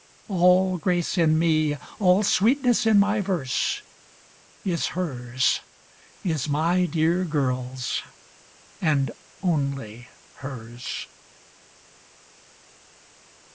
All grace in me, all sweetness in my verse, Is hers, is my dear girl's, and only hers.